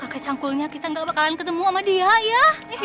kakek cangkulnya kita gak bakalan ketemu sama dia ya